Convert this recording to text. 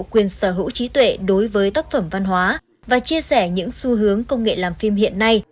quyền sở hữu trí tuệ đối với tác phẩm văn hóa và chia sẻ những xu hướng công nghệ làm phim hiện nay